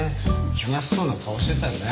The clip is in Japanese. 悲しそうな顔してたね。